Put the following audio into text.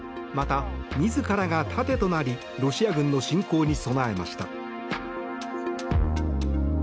また、自らが盾となりロシア軍の侵攻に備えました。